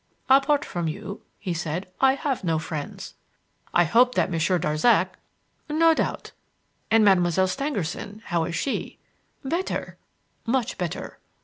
"Apart from you," he said, "I have no friends." "I hope that Monsieur Darzac " "No doubt." "And Mademoiselle Stangerson How is she?" "Better much better."